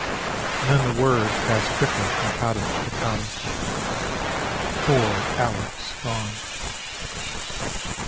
And then the word passed quickly from cottage to cottage: "Poor Aleck's gone!"